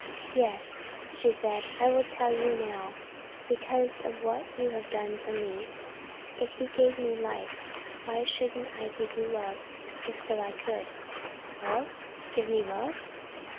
"Yes," she said, "I will tell you now, because of what you have done for me. If you gave me life, why shouldn't I give you love if so I could?" "Love? Give me love?"